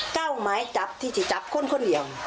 หมายจับที่จะจับคนคนเดียว